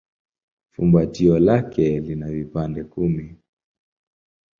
Fumbatio lake lina vipande kumi.